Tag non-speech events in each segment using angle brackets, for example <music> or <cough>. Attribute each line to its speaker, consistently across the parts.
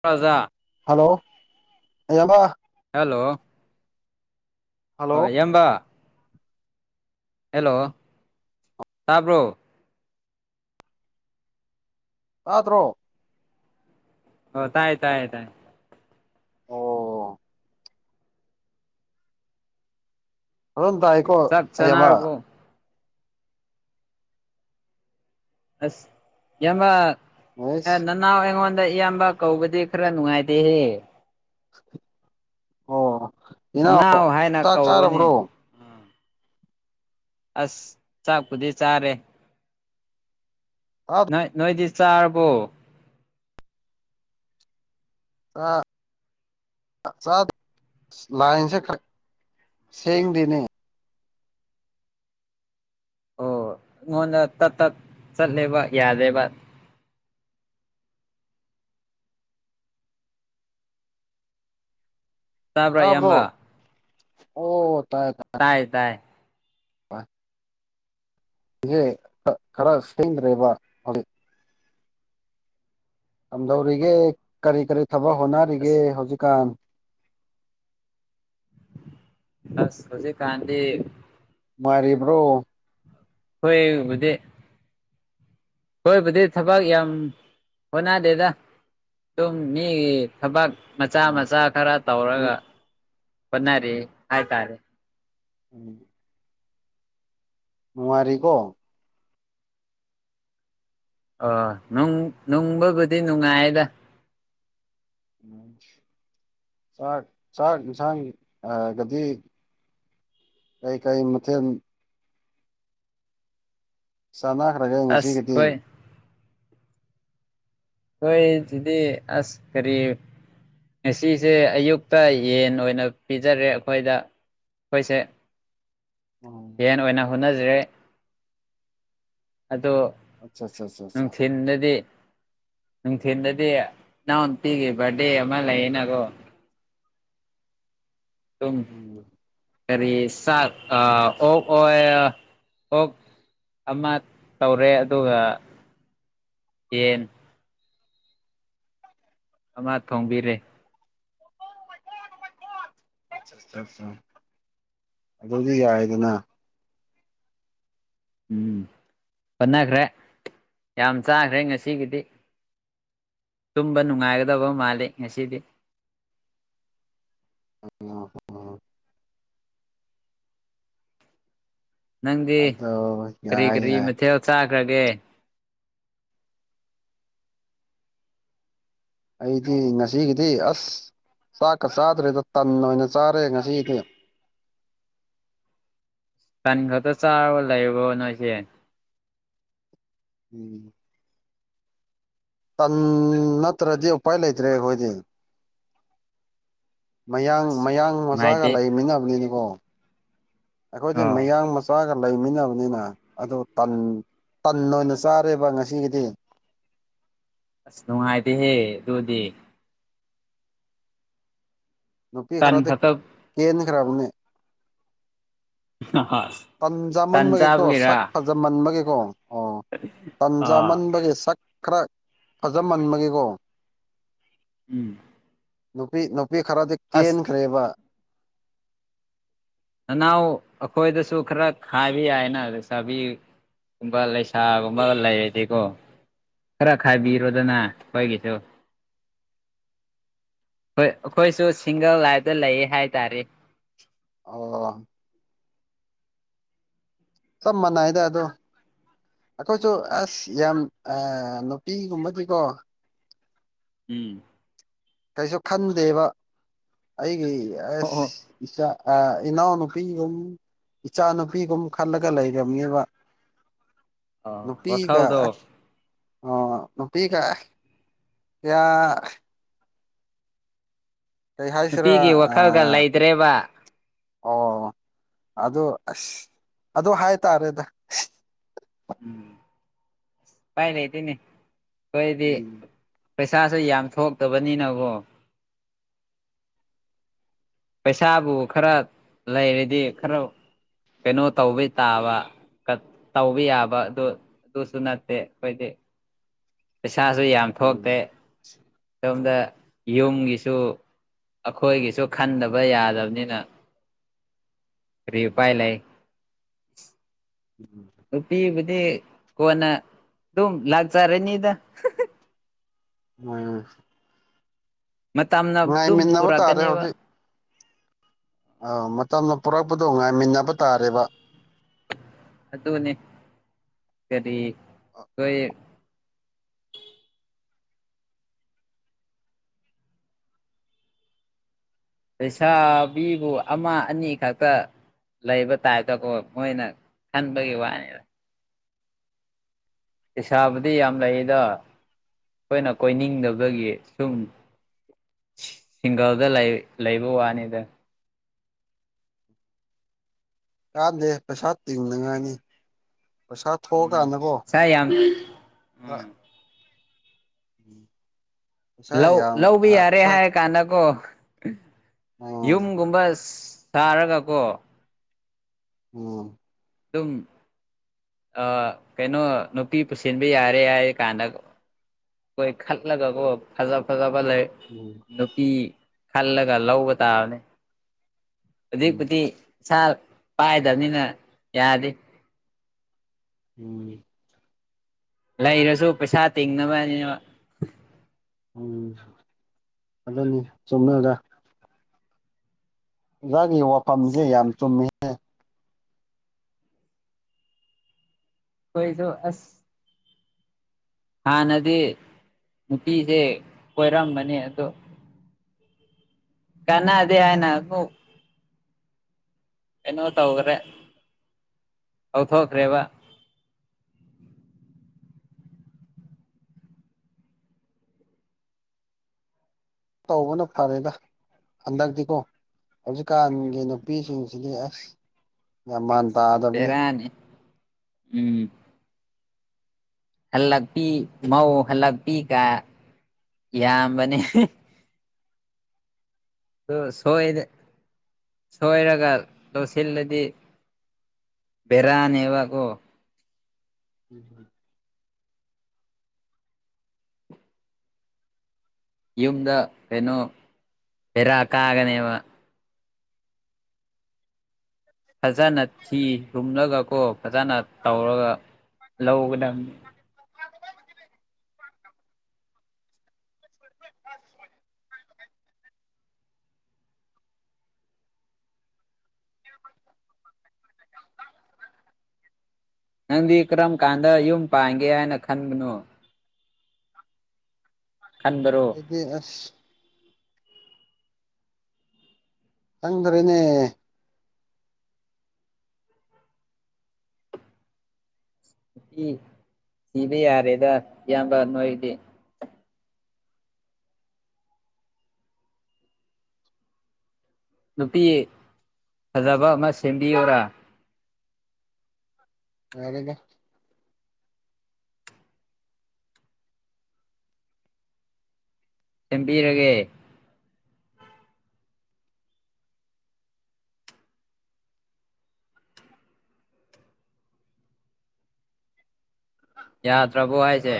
Speaker 1: ꯀ꯭ꯔꯖꯥ <unintelligible>
Speaker 2: hello ꯑꯌꯥꯕ
Speaker 1: hello
Speaker 2: hello
Speaker 1: ꯢꯌꯥꯝꯕ hello ꯇꯥꯕ꯭ꯔꯣ
Speaker 2: ꯇꯥꯗ꯭ꯔꯣ
Speaker 1: ꯑꯣ ꯇꯥꯏ ꯇꯥꯏ ꯇꯥꯏ
Speaker 2: ꯑꯣ ꯑꯗꯨꯝ ꯇꯥꯢ
Speaker 1: ꯆꯥꯛ ꯆꯥꯅꯔꯕꯣ ꯑꯁ ꯢꯌꯥꯝꯕ ꯅ
Speaker 2: ꯑꯦꯁ
Speaker 1: ꯅꯅꯥꯎ ꯑꯩꯉꯣꯟꯗ ꯏꯌꯥꯝꯕ ꯀꯧꯕꯗꯤ ꯈꯔ ꯅꯨꯡꯉꯥꯏꯇꯦꯍꯦ
Speaker 2: ꯑꯣ ꯏꯅꯧ
Speaker 1: ꯅꯅꯥꯎ ꯍꯥꯏꯅ
Speaker 2: ꯆꯥꯛ
Speaker 1: ꯀꯧꯕꯅꯤ
Speaker 2: ꯆꯥꯔꯕ꯭ꯔꯣ
Speaker 1: ꯑꯁ ꯆꯥꯛꯄꯨꯗꯤ ꯆꯥꯔꯦ ꯅꯣꯏ ꯅꯣꯏꯗꯤ ꯆꯥꯔꯕꯣ?
Speaker 2: ꯑꯥ ꯆꯥꯗꯦ ꯂꯥꯏꯟꯁꯦ ꯈꯔ ꯁꯦꯡꯗꯦꯅꯦ꯫
Speaker 1: ꯑꯣ ꯑꯩꯉꯣꯟꯗ ꯇꯠ ꯇꯠ ꯆꯠꯂꯦꯕ ꯌꯥꯗꯦꯕ꯫ ꯇꯥꯕ꯭ꯔꯥ ꯏꯌꯥꯝꯕ
Speaker 2: ꯍꯥꯕ꯭ꯔꯣ ꯑꯣ ꯇꯥꯏ ꯇꯥꯏ
Speaker 1: ꯇꯥꯏ ꯇꯥꯏ
Speaker 2: ꯈꯔ ꯁꯦꯡꯗ꯭ꯔꯦꯕ ꯍꯧꯖꯤꯛ ꯀꯝꯗꯧꯔꯤꯒꯦ ꯀꯔꯤ ꯀꯔꯤ ꯊꯕꯛ ꯍꯣꯠꯅꯔꯤꯒꯦ
Speaker 1: ꯑꯁ
Speaker 2: ꯍꯧꯖꯤꯛꯀꯥꯟ?
Speaker 1: ꯑꯁ ꯍꯨꯖꯤꯛ ꯀꯥꯥꯟꯗꯤ
Speaker 2: ꯅꯨꯉꯥꯏꯔꯤꯕ꯭ꯔꯣ?
Speaker 1: ꯈꯣꯏ ꯕꯨꯗꯤ ꯈꯣꯏꯕꯨꯗꯤ ꯊꯕꯛ ꯌꯥꯝ ꯍꯣꯠꯅꯗꯦꯗ ꯑꯗꯨꯝ ꯃꯤꯒꯤ ꯊꯕꯛ ꯃꯆꯥ ꯃꯆꯥ ꯈꯔ ꯇꯧꯔꯒ ꯍꯣꯠꯅꯔꯤ ꯍꯥꯏꯇꯥꯔꯦ꯫
Speaker 2: ꯎꯝ ꯅꯨꯉꯥꯏꯔꯤꯀꯣ
Speaker 1: ꯑ ꯅꯨꯡ ꯅꯨꯡꯕꯕꯨꯗꯤ ꯅꯨꯡꯉꯥꯏꯗ꯫
Speaker 2: ꯆꯥꯛ ꯆꯥꯛ ꯌꯦꯟꯁꯥꯡ ꯑꯒꯗꯤ ꯀꯩꯀꯩ ꯃꯊꯦꯜ ꯆꯥꯅꯈ꯭ꯔꯒꯦ
Speaker 1: ꯑꯁ
Speaker 2: ꯉꯁꯤꯒꯤꯗꯤ?
Speaker 1: ꯈꯣꯏ ꯈꯣꯢꯗꯤ ꯑꯁ ꯀꯔꯤ ꯉꯁꯤꯁꯦ ꯑꯌꯨꯛꯇ ꯌꯦꯟ ꯑꯣꯏꯅ ꯄꯤꯖꯔꯦ ꯑꯈꯣꯏꯗ ꯑꯈꯣꯏꯁꯦ
Speaker 2: ꯑꯣ
Speaker 1: ꯑꯣꯏꯅ ꯍꯣꯠꯅꯖꯔꯦ ꯑꯗꯣ
Speaker 2: ꯑꯠꯆꯥ ꯑꯠꯆꯥ ꯑꯠꯆꯥ ꯑꯠꯆꯥ
Speaker 1: ꯅꯨꯡꯊꯤꯟꯗꯗꯤ ꯅꯨꯡꯊꯤꯟꯗꯗꯤ ꯏꯅꯥꯎ ꯅꯨꯄꯤꯒꯤ ꯕꯥꯔꯗꯦ ꯑꯃ ꯂꯩꯌꯦꯅꯀꯣ꯫
Speaker 2: ꯎꯝ
Speaker 1: ꯀꯔꯤ ꯆꯥꯛ ꯑꯥ ꯑꯣꯛ ꯑꯣꯏ ꯑꯣꯛ ꯑꯃ ꯇꯧꯔꯦ ꯑꯗꯨꯒ ꯌꯦꯟ ꯑꯃ ꯊꯣꯡꯕꯤꯔꯦ
Speaker 2: <unintelligible> ꯑꯆꯥ ꯑꯆꯥ ꯑꯗꯨꯗꯤ ꯌꯥꯏꯗꯅ
Speaker 1: ꯎꯝ ꯍꯣꯠꯅꯈ꯭ꯔꯦ ꯌꯥꯝ ꯆꯥꯈ꯭ꯔꯦ ꯉꯁꯤꯒꯤꯗꯤ꯫ ꯇꯨꯝꯕ ꯅꯨꯡꯉꯥꯏꯒꯗꯕ ꯃꯥꯜꯂꯤ ꯉꯁꯤꯗꯤ꯫
Speaker 2: <unintelligible>
Speaker 1: ꯅꯪꯗꯤ
Speaker 2: ꯑꯗꯣ
Speaker 1: ꯀꯔꯤ
Speaker 2: ꯌꯥꯏ
Speaker 1: ꯀꯔꯤ
Speaker 2: ꯌꯥꯏ
Speaker 1: ꯃꯊꯦꯜ ꯆꯥꯈ꯭ꯔꯒꯦ?
Speaker 2: ꯑꯩꯗꯤ ꯉꯁꯤꯒꯤꯗꯤ ꯑꯁ ꯆꯥꯛꯀ ꯆꯥꯗ꯭ꯔꯦꯗ ꯇꯟ ꯑꯣꯏꯅ ꯆꯥꯔꯦ ꯉꯁꯤꯒꯤꯗꯤ꯫
Speaker 1: ꯇꯟ ꯈꯛꯇ ꯆꯥꯔꯒ ꯂꯩꯔꯕꯣ ꯅꯣꯏꯁꯦ?
Speaker 2: ꯎꯝ ꯇꯟ ꯅꯠꯇ꯭ꯔꯗꯤ ꯎꯄꯥꯏ ꯂꯩꯇ꯭ꯔꯦ ꯑꯩꯈꯣꯏꯗꯤ꯫ ꯃꯌꯥꯡ ꯃꯌꯥꯡ ꯃꯆꯥꯒ
Speaker 1: ꯅꯨꯡꯉꯥꯏꯇꯦ
Speaker 2: ꯂꯩꯃꯤꯟꯅꯕꯅꯤꯅꯀꯣ ꯑꯩꯈꯣꯏꯗꯤ
Speaker 1: ꯑꯣ
Speaker 2: ꯃꯌꯥꯡ ꯃꯆꯥ ꯆꯥꯒ ꯂꯩꯃꯤꯟꯅꯕꯅꯤꯅ ꯑꯗꯨ ꯇꯟ ꯇꯟ ꯑꯣꯏꯅ ꯆꯥꯔꯦꯕ ꯉꯁꯤꯒꯤꯗꯤ꯫
Speaker 1: ꯑꯁ ꯅꯨꯡꯉꯥꯏꯇꯦ ꯍꯦ ꯗꯨꯗꯤ ꯫
Speaker 2: ꯅꯨꯄꯤ
Speaker 1: ꯇꯟ
Speaker 2: ꯈꯔꯗꯤ
Speaker 1: ꯈꯛꯇ
Speaker 2: ꯀꯦꯟꯈ꯭ꯔꯕꯅꯦ꯫
Speaker 1: <unintelligible> ꯇꯟ
Speaker 2: ꯇꯟꯆꯥꯃꯟꯕꯒꯤꯀꯣ
Speaker 1: ꯆꯥꯕꯒꯤꯔꯥ
Speaker 2: ꯁꯛ ꯐꯖꯃꯟꯕꯒꯤꯀꯣ ꯑꯣ
Speaker 1: ꯑꯥ
Speaker 2: ꯇꯟꯆꯥꯃꯟꯕꯒꯤ ꯁꯛ ꯈꯔ ꯐꯖꯃꯟꯕꯒꯤꯀꯣ
Speaker 1: ꯎꯝ
Speaker 2: ꯅꯨꯄꯤ ꯅꯨꯄꯤ ꯈꯔꯗꯤ
Speaker 1: ꯑꯁ
Speaker 2: ꯀꯦꯟꯈ꯭ꯔꯦꯕ
Speaker 1: ꯅꯅꯥꯎ ꯑꯈꯣꯏꯗꯁꯨ ꯈꯔ ꯈꯥꯏꯕ ꯌꯥꯏꯅꯥ ꯂꯩꯁꯥꯕꯤ ꯒꯨꯝꯕ ꯂꯩꯁꯥꯒꯨꯝꯕ ꯂꯩꯔꯗꯤꯀꯣ ꯈꯔ
Speaker 2: ꯎꯝ
Speaker 1: ꯈꯥꯏꯕꯤꯔꯣꯗꯅ ꯈꯣꯏꯒꯤꯁꯨ ꯍꯣꯏ ꯑꯩꯈꯣꯏꯁꯨ ꯁꯤꯡꯒꯜ ꯂꯥꯏꯞꯇ ꯂꯩꯌꯦ ꯍꯥꯏꯇꯥꯔꯦ
Speaker 2: ꯑꯣ ꯆꯞ ꯃꯅꯥꯏꯗ ꯑꯗ‌ꯣ ꯑꯩꯈꯣꯏꯁꯨ ꯑꯁ ꯌꯥꯝ ꯑꯥ ꯅꯨꯄꯤꯒꯨꯝꯕꯗꯤꯀꯣ
Speaker 1: ꯎꯝ
Speaker 2: ꯀꯩꯁꯨ ꯈꯟꯗꯦꯕꯥ ꯑꯩꯒꯤ ꯑꯁ
Speaker 1: ꯑꯣ
Speaker 2: ꯏꯆꯥ ꯑꯥ ꯏꯅꯥꯎꯅꯨꯄꯤꯒꯨꯝ ꯏꯆꯥꯅꯨꯄꯤꯒꯨꯝ ꯈꯜꯂꯒ ꯂꯩꯔꯝꯅꯦꯕꯥ
Speaker 1: ꯑꯣ
Speaker 2: ꯅꯨꯄꯤ
Speaker 1: ꯋꯥꯈꯜꯗꯣ
Speaker 2: ꯑꯩꯁ ꯑꯣ ꯅꯨꯄꯤꯒ ꯌꯥ ꯀꯩ ꯍꯥꯏꯁꯤꯔꯥ
Speaker 1: ꯅꯨꯄꯤꯒꯤ ꯋꯥꯈꯜꯒ
Speaker 2: ꯑꯥ
Speaker 1: ꯂꯩꯇ꯭ꯔꯦꯕ
Speaker 2: ꯑꯣ ꯑꯗ‌ꯣ ꯑꯁ ꯑꯗ‌ꯣ ꯍꯥꯏꯇꯥꯔꯦꯗ
Speaker 1: ꯎꯝ ꯄꯥꯏ ꯂꯩꯇ‌ꯦꯅ‌ꯦ ꯈ‌ꯣꯏꯗꯤ
Speaker 2: ꯎꯝ
Speaker 1: ꯄꯩꯁꯥꯁꯨ ꯌꯥꯝ ꯊꯣꯛꯇꯕꯅꯤꯅꯒ‌ꯣ ꯄꯩꯁꯥꯕꯨ ꯈꯔ ꯂꯩꯔꯗꯤ ꯈꯔ ꯀꯩꯅꯣ ꯇꯧꯕꯩ ꯇꯥꯕ ꯀꯠ ꯇꯧꯕ ꯌꯥꯕꯗ‌ꯣ ꯗꯨꯁꯨ ꯅꯠꯇꯦ ꯑꯩꯈꯣꯏꯗꯤ ꯄꯩꯁꯥꯁꯨ ꯌꯥꯝ ꯊꯣꯛꯇꯦ
Speaker 2: ꯎꯝ
Speaker 1: ꯁꯣꯝꯗ ꯌꯨꯝꯒꯤꯁꯨ ꯑꯈꯣꯏꯒꯤꯁꯨ ꯈꯟꯗꯕ ꯌꯥꯗꯝꯅꯤꯅ
Speaker 2: <inaudible>
Speaker 1: ꯀꯔꯤ ꯎꯄꯥꯏ ꯂꯩ
Speaker 2: ꯎꯝ
Speaker 1: ꯅꯨꯄꯤꯕꯨꯗꯤ ꯀꯣꯟꯅ ꯑꯗꯨꯝ ꯂꯥꯛꯆꯔꯅꯤꯗ
Speaker 2: ꯃꯣꯏ
Speaker 1: ꯃꯇꯝꯅ ꯑꯗꯨꯝ
Speaker 2: ꯉꯥꯏꯃꯤꯟꯅꯕ
Speaker 1: ꯄꯨꯔꯛꯀꯅꯦꯕ
Speaker 2: ꯑ‌ꯧ ꯃꯇꯝꯅ ꯄꯨꯔꯛꯄꯗꯣ ꯉꯥꯏꯃꯤꯟꯅꯕ ꯇꯥꯔꯦꯕ
Speaker 1: ꯑꯗꯨꯅ‌ꯦ ꯀꯔꯤ ꯍ‌ꯣꯏ ꯂꯩꯁꯥꯕꯤꯕꯨ ꯑꯃ ꯑꯅꯤ ꯈꯛꯇ ꯂꯩꯕ ꯇꯥꯏꯞꯇꯀꯣ ꯃꯣꯏꯅ ꯈꯟꯕꯒꯤ ꯋꯥꯅꯤꯗ ꯂꯩꯁꯥꯕꯨꯗꯤ ꯌꯥꯝ ꯂꯩꯗ ꯈꯣꯏꯅ ꯀꯣꯏꯅꯤꯡꯗꯕꯒꯤ ꯁꯨꯝ ꯁꯤꯡꯒꯜꯗ ꯂꯩ ꯂꯩꯕ ꯋꯥꯅꯤꯗ
Speaker 2: ꯀꯥꯟꯗꯦ ꯄꯩꯁꯥ ꯇꯤꯡꯅꯉꯥꯏꯅꯤ ꯄꯩꯁꯥ
Speaker 1: ꯎꯝ
Speaker 2: ꯊꯣꯛꯑꯀꯥꯟꯗꯀ‌ꯣ
Speaker 1: ꯁꯥ ꯌꯥꯝ ꯎꯝ
Speaker 2: ꯎꯝ
Speaker 1: ꯂꯧ ꯂꯧꯕ ꯌꯥꯔꯦ ꯍꯥꯏꯔꯀꯥꯟꯗꯀꯣ
Speaker 2: ꯎꯝ
Speaker 1: ꯌꯨꯝꯒꯨꯝꯕ ꯁꯥꯔꯒꯀꯣ
Speaker 2: ꯑꯣꯝ
Speaker 1: ꯗꯨꯝ ꯑꯥ ꯀꯩꯅꯣ ꯅꯨꯄꯤ ꯄꯨꯁꯤꯟꯕ ꯌꯥꯔꯦ ꯍꯥꯏꯌ‌ꯦꯀꯥꯟꯗ ꯀ‌ꯣꯏ ꯈꯠꯂꯒꯀꯣ ꯐꯖꯥ ꯐꯖꯥꯕ ꯂꯩ
Speaker 2: ꯎꯝ
Speaker 1: ꯅꯨꯄꯤ ꯈꯜꯂꯒ ꯂꯧꯕ ꯇꯥꯕꯅꯤ
Speaker 2: ꯎꯝ
Speaker 1: ꯍꯨꯖꯤꯛꯄꯨꯗꯤ ꯄꯩꯁꯥ ꯄꯥꯏꯗꯕꯅꯤꯅ ꯌꯥꯗꯦ
Speaker 2: ꯎꯝ
Speaker 1: ꯂꯩꯔꯁꯨ ꯄꯩꯁꯥ ꯇꯤꯡꯅꯕꯅꯦꯕ
Speaker 2: ꯎꯝ ꯑꯗꯨꯅꯤ ꯆꯨꯝꯃꯦ ꯑꯣꯖꯥ <unintelligible> ꯋꯥꯐꯝꯁꯦ ꯌꯥꯝ ꯆꯨꯝꯃꯤꯍꯦ
Speaker 1: ꯈꯣꯏꯁꯨ ꯑꯁ ꯍꯥꯟꯅꯗꯤ ꯅꯨꯄꯤꯁꯦ ꯀꯣꯏꯔꯝꯕꯅꯦ ꯑꯗꯣ ꯀꯥꯅꯥꯗꯦ ꯍꯥꯏꯅ ꯀꯣ ꯀꯩꯅꯣ ꯇꯧꯒꯔꯦ ꯇꯣꯛꯊꯣꯛꯈ꯭ꯔꯦꯕ
Speaker 2: ꯇꯧꯕꯅ ꯐꯔꯦꯗ ꯍꯟꯗꯛꯇꯤꯀꯣ ꯍꯧꯖꯤꯛꯀꯥꯟꯒꯤ ꯅꯨꯄꯤꯁꯤꯡꯁꯤꯗꯤ ꯑꯁ ꯌꯃꯥꯟ ꯇꯥ
Speaker 1: ꯕꯦꯔꯥꯅꯤ ꯎꯝ ꯍꯜꯂꯛꯄꯤ ꯃꯧ ꯍꯜꯂꯛꯄꯤ ꯀꯥ ꯌꯥꯝꯕꯅꯦ ꯑꯗꯨ ꯁꯣꯏ ꯁꯣꯏꯔꯒ ꯂꯧꯁꯤꯜꯂꯗꯤ ꯕꯦꯔꯥꯅꯦꯕ ꯀꯣ
Speaker 2: ꯎꯝ
Speaker 1: ꯌꯨꯝꯗ ꯀꯩꯅꯣ ꯕꯦꯔꯥ ꯀꯥꯒꯅꯦꯕ ꯐꯖꯅ ꯊꯤ ꯍꯨꯝꯂꯒ ꯀꯣ ꯐꯖꯅ ꯇꯧꯔꯒ ꯂꯧꯒꯗꯝꯅꯦ
Speaker 2: <inaudible>
Speaker 1: ꯅꯪꯗꯤ ꯀꯔꯝ ꯀꯥꯟꯗ ꯌꯨꯝ ꯄꯥꯟꯒꯦ ꯍꯥꯏꯅ ꯈꯟꯕꯅꯣ ꯈꯟꯕꯔꯣ
Speaker 2: ꯗꯦ ꯑꯁ ꯈꯪꯗ꯭ꯔꯦꯅꯦ
Speaker 1: ꯅꯨꯄꯤ ꯊꯤꯕ ꯌꯥꯔꯦꯗ ꯏꯌꯥꯝꯕ ꯅꯣꯏꯗꯤ ꯅꯨꯄꯤ ꯐꯖꯕ ꯑꯃ ꯁꯦꯝꯕꯤꯌꯣꯔꯥ
Speaker 2: ꯌꯥꯔꯦꯗ
Speaker 1: ꯁꯦꯝꯕꯤꯔꯒꯦ ꯌꯥꯗ꯭ꯔꯕꯣ ꯍꯥꯏꯁꯦ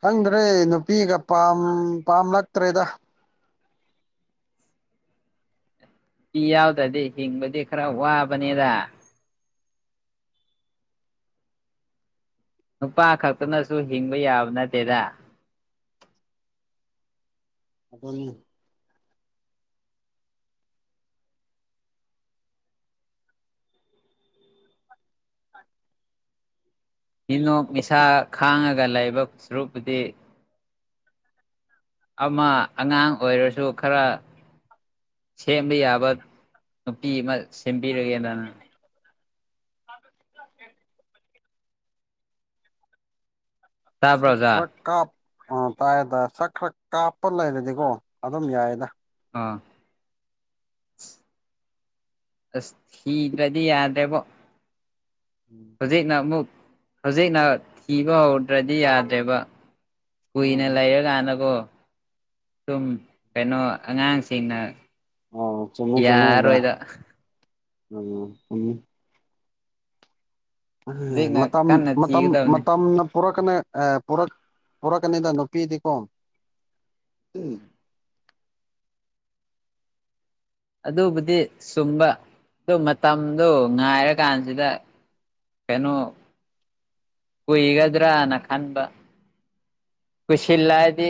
Speaker 2: ꯈꯪꯗ꯭ꯔꯦ ꯅꯨꯄꯤꯒ ꯄꯥꯝ ꯄꯥꯝꯂꯛꯇ꯭ꯔꯦꯗ
Speaker 1: ꯄꯤ ꯌꯥꯎꯗ꯭ꯔꯗꯤ ꯍꯤꯡꯕꯗꯤ ꯈꯔ ꯋꯥꯕꯅꯤꯗ ꯅꯨꯄꯥ ꯈꯛꯇꯅꯁꯨ ꯍꯤꯡꯕ ꯌꯥꯕ ꯅꯠꯇꯦꯗ
Speaker 2: ꯑꯗꯨꯅꯤ <inaudible>
Speaker 1: ꯃꯤꯅꯣꯛ ꯃꯤꯁꯥ ꯈꯥꯡꯉꯒ ꯂꯩꯕ ꯁꯔꯨꯛꯄꯨꯗꯤ ꯑꯃ ꯑꯉꯥꯡ ꯑꯣꯏꯔꯁꯨ ꯈꯔ ꯁꯦꯝꯕ ꯌꯥꯕ ꯅꯨꯄꯤ ꯑꯃ ꯁꯦꯝꯕꯤꯔꯒꯦꯗꯅ
Speaker 2: <inaudible>
Speaker 1: ꯇꯥꯕ꯭ꯔꯣ
Speaker 2: ꯁꯛ ꯈꯔ
Speaker 1: ꯑꯣꯖꯥ
Speaker 2: ꯀꯥꯞ ꯑ ꯇꯥꯏꯗ ꯁꯛ ꯈꯔ ꯀꯥꯞꯄ ꯂꯩꯔꯗꯤꯀꯣ ꯑꯗꯨꯝ ꯌꯥꯏꯗ
Speaker 1: ꯑꯥ ꯑꯁ ꯊꯤꯗ꯭ꯔꯗꯤ ꯌꯥꯗ꯭ꯔꯦꯕꯣ
Speaker 2: ꯎꯝ
Speaker 1: ꯍꯧꯖꯤꯛꯅ ꯑꯃꯨꯛ ꯍꯧꯖꯤꯛꯅ ꯊꯤꯕ ꯍꯧꯗ꯭ꯔꯗꯤ ꯌꯥꯗ꯭ꯔꯦꯕ ꯀꯨꯏꯅ
Speaker 2: ꯎꯝ
Speaker 1: ꯂꯩꯔꯀꯥꯟꯗꯀꯣ ꯁꯨꯝ ꯀꯩꯅꯣ ꯑꯉꯥꯡꯁꯤꯡꯅ
Speaker 2: ꯑꯣ ꯆꯨꯝꯃꯦ ꯆꯨꯝꯃꯦ ꯑꯣꯖꯥ
Speaker 1: ꯌꯥꯔꯣꯏꯗ
Speaker 2: <unintelligible> ꯑꯗꯨꯅꯦ
Speaker 1: ꯍꯧꯖꯤꯛꯅ
Speaker 2: ꯃꯇꯝ
Speaker 1: ꯀꯟꯅ
Speaker 2: ꯃꯇꯝ
Speaker 1: ꯊꯤꯒꯗꯕꯅꯤ
Speaker 2: ꯃꯇꯝꯅ ꯄꯨꯔꯛꯀꯅꯤ ꯑꯥ ꯄꯨꯔꯛꯀꯅꯤꯗ ꯅꯨꯄꯤꯗꯤ ꯀꯣ
Speaker 1: ꯑꯗꯨꯕꯨꯗꯤ ꯆꯨꯝꯕ ꯑꯗꯨ ꯃꯇꯝꯗꯣ ꯉꯥꯏꯔꯛ ꯀꯥꯟꯁꯤꯗ ꯀꯩꯅꯣ ꯀꯨꯏꯒꯗ꯭ꯔꯥꯅ ꯈꯟꯕ ꯀꯣꯏꯁꯤꯜꯂꯛ ꯑꯥꯗꯤ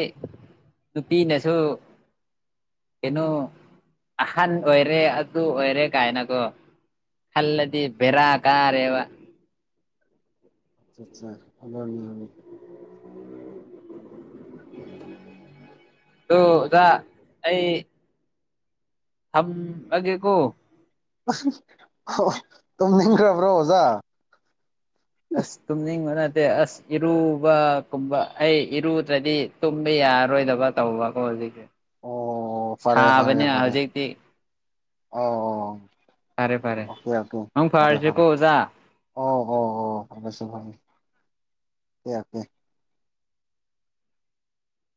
Speaker 1: ꯅꯨꯄꯤꯅꯁꯨ ꯀꯩꯅꯣ ꯑꯍꯟ ꯑꯣꯏꯔꯦ ꯑꯗꯨ ꯑꯣꯏꯔꯦ ꯀꯥꯏꯅꯀꯣ ꯈꯜꯂꯗꯤ ꯕꯦꯔꯥ ꯀꯥꯔꯦꯕ
Speaker 2: ꯑꯠꯆꯥ <unintelligible>
Speaker 1: ꯑꯗꯨ ꯑꯣꯖꯥ ꯑꯩ ꯊꯝꯃꯒꯦ ꯀꯣ
Speaker 2: ꯑꯁ ꯑꯣ ꯇꯧꯅꯤꯡꯈ꯭ꯔꯕ꯭ꯔꯣ ꯑꯣꯖꯥ
Speaker 1: ꯑꯁ ꯇꯨꯝꯅꯤꯡꯕ ꯅꯠꯇꯦ ꯑꯁ ꯏꯔꯨꯕ ꯀꯨꯝꯕ ꯑꯩ ꯏꯔꯨꯗ꯭ꯔꯗꯤ ꯇꯨꯝꯕ ꯌꯥꯔꯔꯣꯏꯗꯕ ꯇꯧꯕ ꯀꯣ ꯍꯧꯖꯤꯛꯁꯦ
Speaker 2: ꯑꯣ ꯐꯔꯦ ꯐꯔꯦ
Speaker 1: ꯁꯥꯕꯅꯤꯅ
Speaker 2: ꯐꯔꯦ
Speaker 1: ꯍꯧꯖꯤꯛꯇꯤ
Speaker 2: ꯑꯣ
Speaker 1: ꯐꯔꯦ ꯐꯔꯦ
Speaker 2: ꯑꯣꯀꯦ ꯑꯣꯀꯦ
Speaker 1: ꯃꯪ
Speaker 2: ꯐꯔꯦ
Speaker 1: ꯐꯥꯔꯁꯤ
Speaker 2: ꯐꯔꯦ
Speaker 1: ꯀꯣ ꯑꯣꯖꯥ
Speaker 2: ꯑꯣ ꯍꯣ ꯍꯣ ꯐꯥꯔꯁꯨ ꯑꯦ <unintelligible>